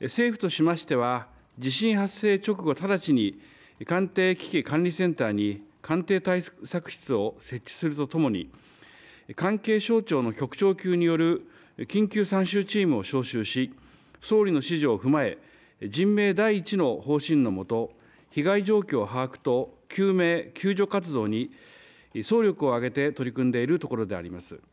政府としましては地震発生直後、直ちに官邸危機管理センターに官邸対策室を設置するとともに関係省庁の局長級による緊急参集チームを招集し総理の指示を踏まえ、人命第一の方針のもと、被害状況把握と救命救助活動に総力を挙げて取り組んでいるところであります。